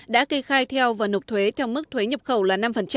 đã kê khai theo và nộp thuế theo mức thuế nhập khẩu là năm